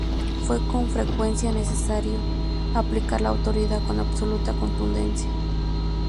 Fue con frecuencia necesario aplicar la autoridad con absoluta contundencia.